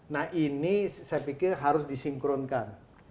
nah ini saya pikir harus disinkronkan